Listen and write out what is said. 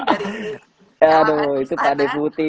aduh itu pak deputi